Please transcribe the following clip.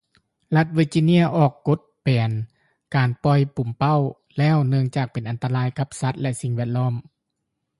ລັດເວີຈິເນຍອອກກົດແບນການປ່ອຍປູມເປົ້າແລ້ວ ເນື່ອງຈາກເປັນອັນຕະລາຍກັບສັດ ແລະ ສິ່ງແວດລ້ອມ